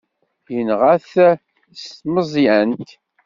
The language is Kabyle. Yenɣa-t s tmeẓyant.